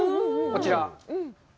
こちら。